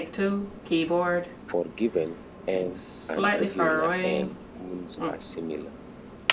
For given "n", all regular "n"-gons are similar.